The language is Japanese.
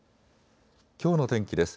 きょうの天気です。